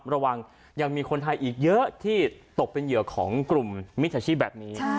ระวังยังมีคนไทยอีกเยอะที่ตกเป็นเหยื่อของกลุ่มมิจฉาชีพแบบนี้